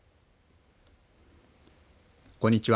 こんにちは。